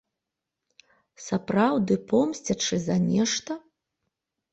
Сапраўды помсцячы за нешта?